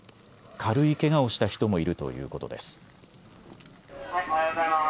軽いけがをした人もいるということです。